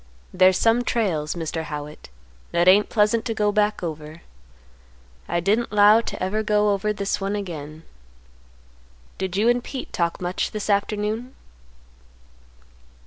There's some trails, Mr. Howitt, that ain't pleasant to go back over. I didn't 'low to ever go over this one again. Did you and Pete talk much this afternoon?"